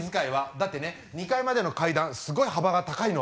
だってね２階までの階段すごい幅が高いの。